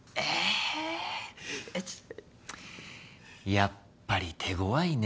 やっぱり手ごわいね